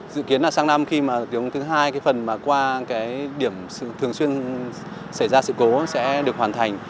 dự kiến là sáng năm khi tuyển ống thứ hai phần qua điểm thường xuyên xảy ra sự cố sẽ được hoàn thành